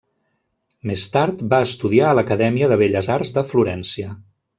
Més tard va estudiar a l'Acadèmia de Belles Arts de Florència.